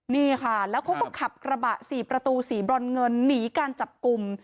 นี่ค่ะแล้วเขาก็ขับกระบะสี่ประตูสีบรอนเงินหนีการจับกลุ่ม